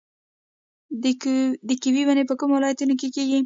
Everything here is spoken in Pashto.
د کیوي ونې په کومو ولایتونو کې کیږي؟